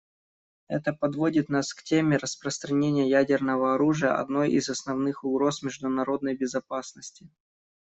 Это подводит нас к теме распространения ядерного оружия, одной из основных угроз международной безопасности.